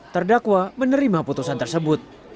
terdakwa menerima putusan tersebut